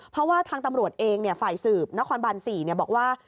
เพราะว่าทางตำรวจเองฝ่ายสืบนครบัน๔บอกว่า